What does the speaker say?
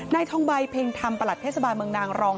นายทองใบเพ็งธรรมประหลัดเทศบาลเมืองนางรอง